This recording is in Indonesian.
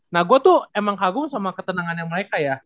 nah gue tuh emang kagum sama ketenangannya mereka ya